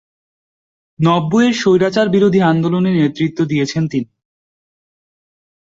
নব্বইয়ের স্বৈরাচার বিরোধী আন্দোলনে নেতৃত্ব দিয়েছেন তিনি।